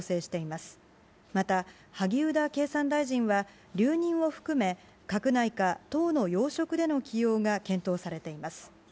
また萩生田経産大臣は留任を含め、閣内か党の要職での起用が検討されています。